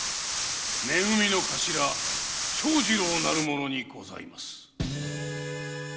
⁉め組の頭長次郎なる者にございます。